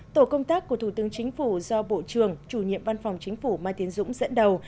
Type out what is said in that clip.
tổ công tác của thủ tướng chính phủ do bộ trưởng chủ nhiệm văn phòng chính phủ mai tiến dũng dẫn đầu